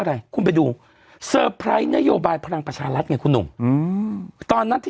อะไรคุณไปดูนโยบายพลังประชารัฐไงคุณหนุ่มอืมตอนนั้นที่